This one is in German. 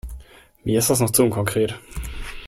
Mir ist das noch zu unkonkret.